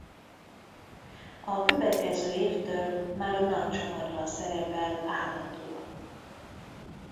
A következő évtől már a nagycsapatban szerepel állandóan.